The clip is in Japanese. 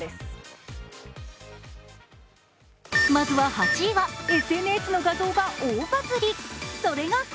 ８位はＳＮＳの画像が大バズリ。